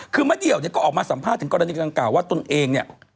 คือมะเดี่ยวเนี่ยก็ออกมาสัมภาษณ์ถึงกรณีดังกล่าวว่าตนเองเนี่ย